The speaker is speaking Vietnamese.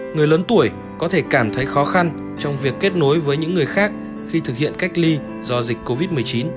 người lớn tuổi có thể cảm thấy khó khăn trong việc kết nối với những người khác khi thực hiện cách ly do dịch covid một mươi chín